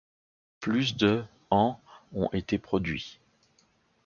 Plus de en ont été produits.